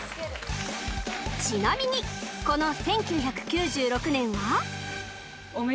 ちなみにこの１９９６年は